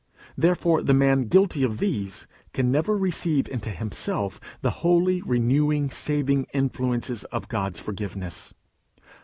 Therefore the man guilty of these can never receive into himself the holy renewing saving influences of God's forgiveness.